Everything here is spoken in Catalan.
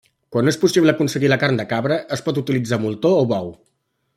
Quan no és possible aconseguir la carn de cabra, es pot utilitzar moltó o bou.